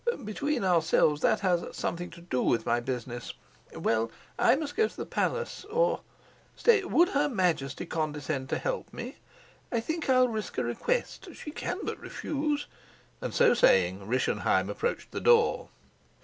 "Between ourselves, that has something to do with my business. Well, I must go to the palace. Or stay would her Majesty condescend to help me? I think I'll risk a request. She can but refuse," and so saying Rischenheim approached the door.